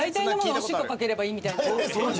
おしっこ掛ければいいみたいな。